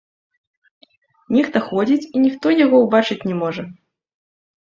Нехта ходзіць, і ніхто яго ўбачыць не можа.